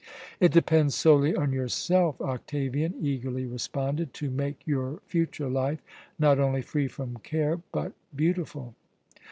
"It depends solely on yourself," Octavian eagerly responded, "to make your future life, not only free from care, but beautiful."